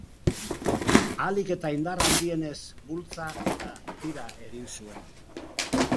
Ahalik eta indar handienez bultza eta tira egin zuen.